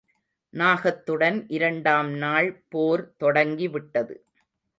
நாகத்துடன் இரண்டாம் நாள் போர் தொடங்கி விட்டது.